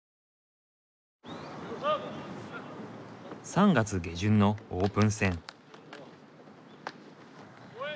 ３月下旬のオープン戦。